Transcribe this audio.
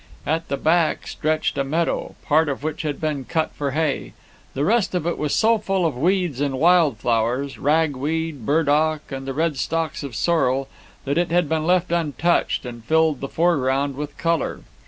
At the back stretched a meadow, part of which had been cut for hay; the rest of it was so full of weeds and wild flowers, ragweed, burdock and the red stalks of sorrel, that it had been left untouched, and filled the foreground with colour.